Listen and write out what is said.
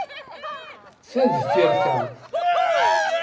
Ta deffir ta.